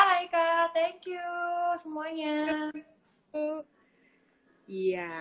kak thank you semuanya